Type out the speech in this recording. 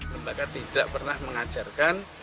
lembaga tidak pernah mengajarkan